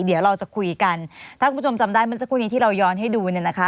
เดี๋ยวเราจะคุยกันถ้าคุณผู้ชมจำได้เมื่อสักครู่นี้ที่เราย้อนให้ดูเนี่ยนะคะ